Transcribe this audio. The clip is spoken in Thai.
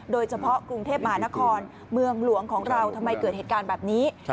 โดยเฉพาะกรุงเทพมหานครเมืองหลวงของเราทำไมเกิดเหตุการณ์แบบนี้